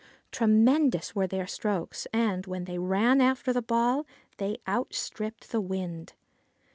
Tremendous were their strokes, and, when they ran after the ball, they outstripped the wind.